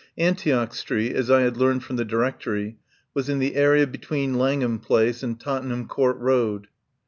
Antioch Street, as I had learned from the Directory, was in the area between Langham Place and Tottenham Court Road.